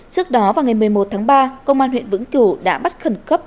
trước đó vào ngày một mươi một tháng ba công an huyện vĩnh cửu đã bắt khẩn cấp